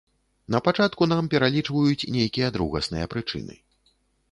Напачатку нам пералічваюць нейкія другасныя прычыны.